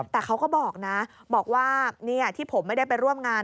แต่เขาก็บอกนะบอกว่าที่ผมไม่ได้ไปร่วมงาน